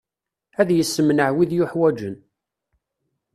Ad yessemneɛ wid yuḥwaǧen.